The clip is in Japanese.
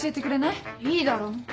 いいだろ